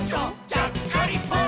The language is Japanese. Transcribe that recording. ちゃっかりポン！」